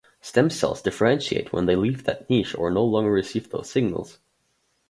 Stem cells differentiate when they leave that niche or no longer receive those signals.